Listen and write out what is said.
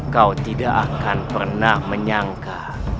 kau tidak akan pernah menyangka